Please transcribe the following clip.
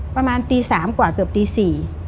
ประมาณตี๓กว่าเกือบตี๔